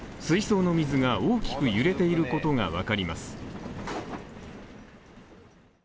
水槽の水が大きく揺れていることがわかります。